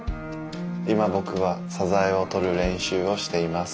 今ぼくはサザエをとるれん習をしています。